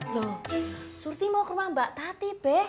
loh surti mau ke rumah mbak tati bek